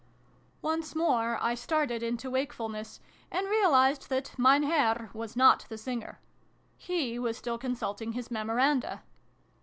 Once more I started into wakefulness, and realised that Mein Herr was not the singer. He was still consulting his memoranda.